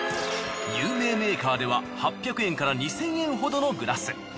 有名メーカーでは８００円から２，０００円ほどのグラス。